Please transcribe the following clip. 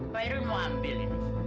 pak irul mau ambil ini